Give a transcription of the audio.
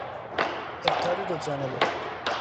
اتحاد دو جانبه